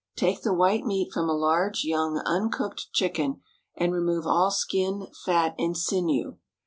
Take the white meat from a large, young, uncooked chicken, and remove all skin, fat, and sinew.